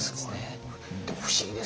でも不思議ですよね。